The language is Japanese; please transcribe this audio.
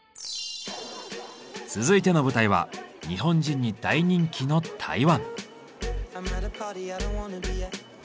続いての舞台は日本人に大人気の台湾。